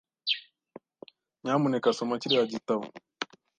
Nyamuneka soma kiriya gitabo .